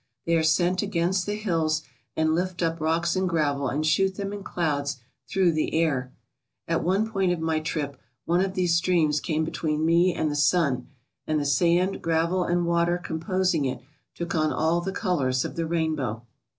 They are sent against the hills and lift up rocks and gravel and shoot them in clouds through the air. At one point of my trip one of these streams came between me and the sun, and the sand, gravel, and water composing it took on all the colours of the rainbow.